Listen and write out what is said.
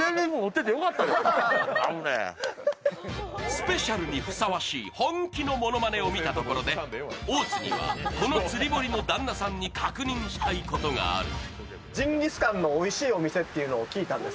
スペシャルにふさわしい本気のものまねを見たところで大津にはこの釣堀の旦那さんに確認したいことがある。